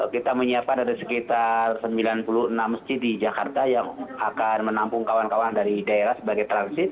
kita menyiapkan ada sekitar sembilan puluh enam masjid di jakarta yang akan menampung kawan kawan dari daerah sebagai transit